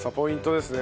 ですね。